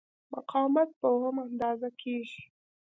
مقاومت په اوهم اندازه کېږي.